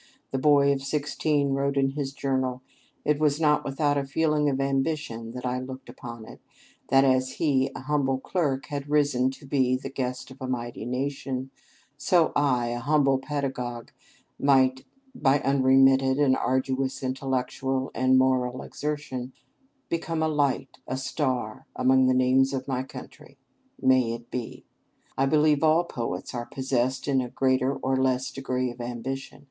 The boy of sixteen wrote in his journal: "It was not without a feeling of ambition that I looked upon it; that as he, a humble clerk, had risen to be the guest of a mighty nation, so I, a humble pedagogue, might, by unremitted and arduous intellectual and moral exertion, become a light, a star, among the names of my country. May it be!... I believe all poets are possessed in a greater or less degree of ambition.